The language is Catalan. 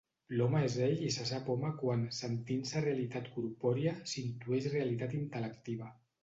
L'home és ell i se sap home quan, sentint-se realitat corpòria, s'intueix realitat intel·lectiva.